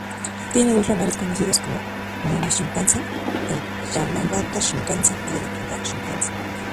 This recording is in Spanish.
Tiene dos ramales conocidos como Mini-shinkansen, el Yamagata Shinkansen y el Akita Shinkansen.